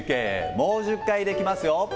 もう１０回できますよ。